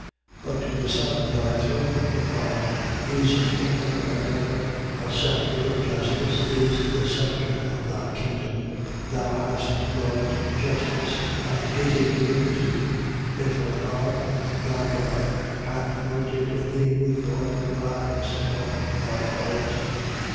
1:8. But to the Son: Thy throne, O God, is for ever and ever: a sceptre of justice is the sceptre of thy kingdom. 1:9. Thou hast loved justice and hated iniquity: therefore God, thy God, hath anointed thee with the oil of gladness above thy fellows.